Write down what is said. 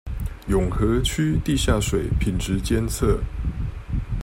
永和區地下水品質監測